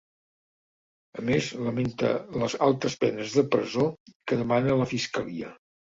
A més lamenta les altes penes de presó que demana la fiscalia.